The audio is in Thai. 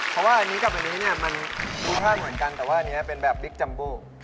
เพราะว่าอันนี้กับอันนี้เนี่ยมันรสชาติเหมือนกันแต่ว่าอันนี้เป็นแบบบิ๊กจัมบู